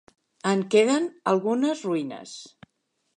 En queden algunes ruïnes.